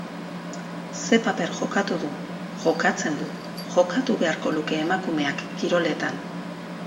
Ze paper jokatu du, jokatzen du, jokatu beharko luke emakumeak kiroletan?